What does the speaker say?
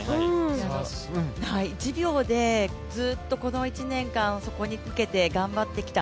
１秒でずっとこの１年間、そこに向けて頑張ってきた。